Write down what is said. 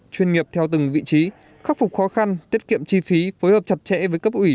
chuyên nghiệp theo từng vị trí khắc phục khó khăn tiết kiệm chi phí phối hợp chặt chẽ với cấp ủy